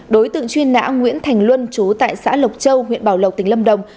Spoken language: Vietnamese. đối tượng truy nã nguyễn thành luân chú tại xã lộc châu huyện bảo lộc tỉnh lâm đồng